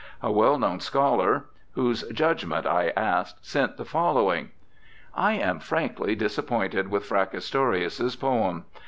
A well known scholar whose judgement I asked sent the following :* I am frankly disappointed with Fracastorius's poem.